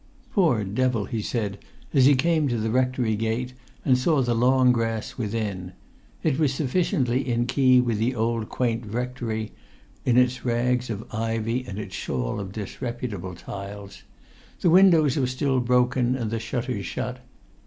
"Poor devil!" he said as he came to the rectory gate and saw the long grass within. It was sufficiently in key with the old quaint rectory, in its rags of ivy and its shawl of disreputable tiles. The[Pg 92] windows were still broken and the shutters shut.